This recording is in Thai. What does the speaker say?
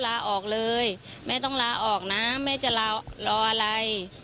ลาออกเลยแม่ต้องลาออกนะแม่จะรออะไร